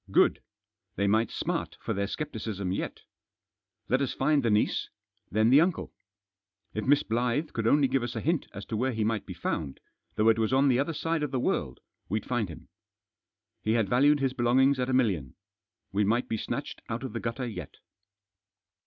Good 1 They might smart for their scepticism yet Let us find the niece ; then the uncle. If Miss Blyth could only give us a hint as to where he might be found, though it was on the other side of the world, we'd find him. He had valued his belongings at a million. We might be snatched out of the gutter yet.